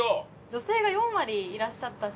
女性が４割いらっしゃった。